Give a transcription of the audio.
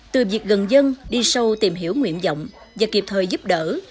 từ việc gần dân đi sâu tìm hiểu nguyện vọng và kịp thời giúp đỡ